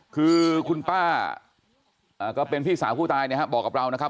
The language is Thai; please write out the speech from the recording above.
คือคุณป้าก็เป็นพี่สาวผู้ตายนะครับบอกกับเรานะครับ